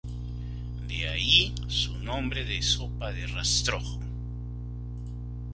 De ahí su nombre de sopa de rastrojo.